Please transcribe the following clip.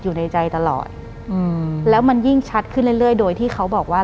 หลังจากนั้นเราไม่ได้คุยกันนะคะเดินเข้าบ้านอืม